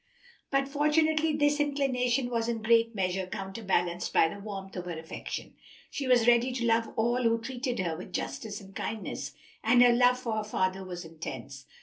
But fortunately this inclination was in great measure counterbalanced by the warmth of her affections. She was ready to love all who treated her with justice and kindness, and her love for her father was intense.